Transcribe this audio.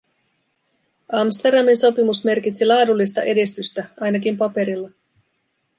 Amsterdamin sopimus merkitsi laadullista edistystä, ainakin paperilla.